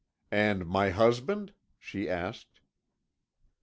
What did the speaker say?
"'And my husband?' she asked.